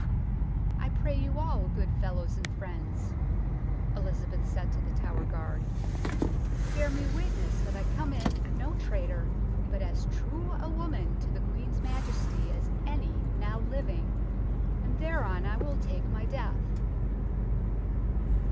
" I pray you all, good fellows and friends," Elizabeth said to The Tower guard, " bear me witness that I come in no traitor, but as true a woman to the Queen's Majesty as any now living, and thereon I will take my death."